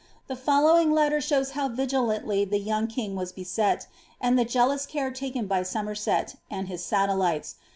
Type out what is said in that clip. The following letter »hnws how li^lanlly the young king was beset, and ihc jealous care taken by Sotnerset, and his sutelhies.